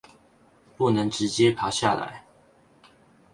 不能直接爬下來